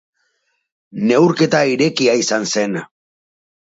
Neurketa irekia izan zen.